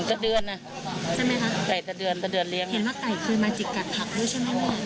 ของพวกตามนั้นค่ะ